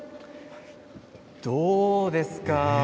どうですか？